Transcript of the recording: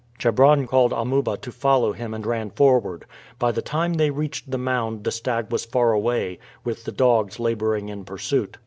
Chebron called Amuba to follow him and ran forward. By the time they reached the mound the stag was far away, with the dogs laboring in pursuit.